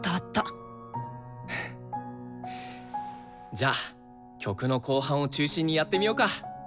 じゃあ曲の後半を中心にやってみようか。